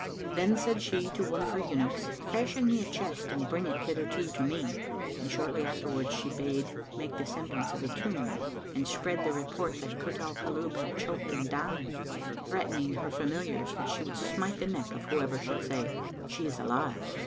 Then said she to one of her eunuchs, "Fashion me a chest and bring it hitherto to me!", and shortly afterwards she bade make the semblance of a tomb and spread the report that Kut al Kulub had choked and died, threatening her familiars that she would smite the neck of whoever should say, "She is alive."